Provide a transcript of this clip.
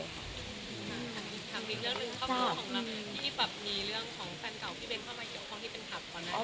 ถามอีกเรื่องหนึ่งข้อมูลของนักที่มีเรื่องของแฟนเก่าพี่เบ้นเข้ามาเกี่ยวของที่เป็นภาพของนักที่